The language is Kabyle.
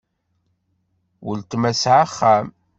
Uletma tesɛa axxam.